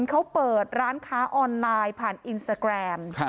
เขาเปิดร้านค้าออนไลน์ผ่านอินสตาแกรม